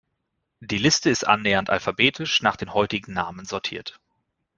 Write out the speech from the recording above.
Die Liste ist annähernd alphabetisch nach den heutigen Namen sortiert.